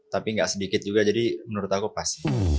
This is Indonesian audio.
tapi nggak sedikit juga jadi menurut aku pas